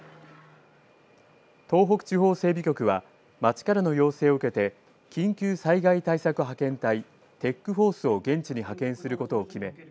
東北地方整備局は町からの要請を受けて緊急災害対策派遣隊ＴＥＣ‐ＦＯＲＣＥを現地に派遣することを決め